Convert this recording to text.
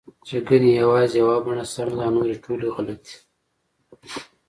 چې ګنې یوازې یوه بڼه سمه ده او نورې ټولې غلطې